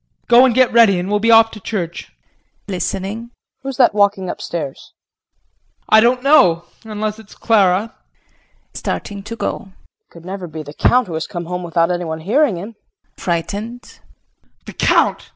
Go and get ready and we'll be off to church. KRISTIN [Listening]. Who's that walking upstairs? JEAN. I don't know unless it's Clara. KRISTIN [Starting to go]. It could never be the Count who has come home without anyone hearing him? JEAN [Frightened]. The Count!